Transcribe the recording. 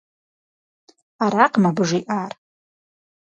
Аракъым абы жиӏар.